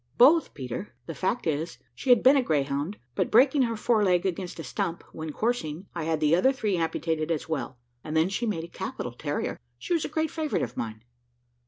"Both, Peter: the fact is, she had been a greyhound, but breaking her fore leg against a stump, when coursing, I had the other three amputated as well, and then she made a capital terrier. She was a great favourite of mine."